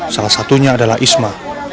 salah satunya adalah isma